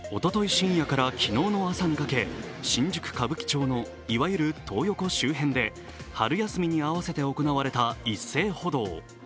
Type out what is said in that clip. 深夜から昨日の朝にかけ新宿・歌舞伎町のいわゆるトー横周辺で春休みに合わせて行われた一斉補導。